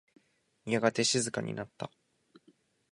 やがて静かになった。